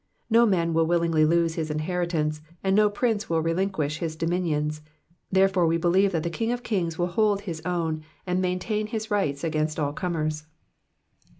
No man will willingly lose his inheritance, and no prince will relinquish his dominions ; therefore we believe that the King of kings will hold his own, and maintain his rights against all comers.